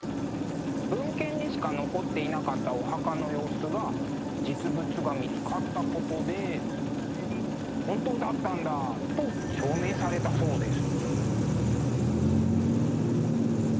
文献にしか残っていなかったお墓の様子が実物が見つかったことで「本当だったんだ！」と証明されたそうです。